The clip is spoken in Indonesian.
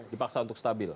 dipaksa untuk stabil